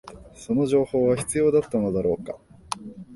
その情報は必要だったのだろうか